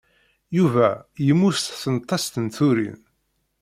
Yuba yemmut s tentast n turin.